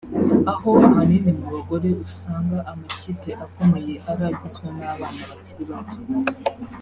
aho ahanini mu bagore usanga amakipe akomeye ari agizwe n’abana bakiri bato